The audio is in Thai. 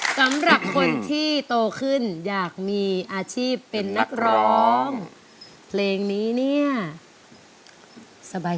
สำหรับคนที่โตขึ้นอยากมีอาชีพเป็นนักร้องเพลงนี้เนี่ยสบาย